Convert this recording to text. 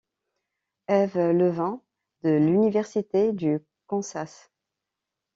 Eve Levin, de l'Université du Kansas.